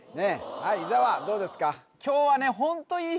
はい伊沢どうですか？